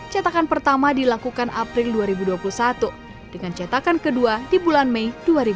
cetakan pertama dilakukan april dua ribu dua puluh satu dengan cetakan kedua di bulan mei dua ribu dua puluh